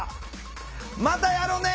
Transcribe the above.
またやろね。